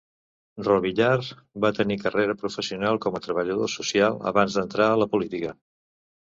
Robillard va tenir carrera professional com a treballador social abans d'entrar a la política.